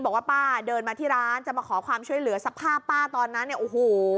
บอกว่าป้าเดินมาที่ร้านจะมาขอความช่วยเหลือสภาพป้าตอนนั้นเนี่ยโอ้โห